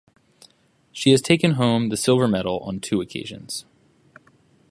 She has taken home the silver medal on two occasions.